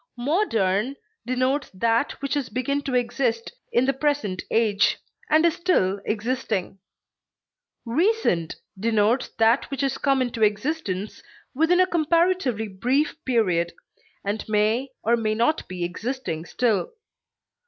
Modern denotes that which has begun to exist in the present age, and is still existing; recent denotes that which has come into existence within a comparatively brief period, and may or may not be existing still.